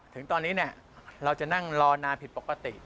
ถึงตอนนี้เราจะนั่งรอนานผิดปกติ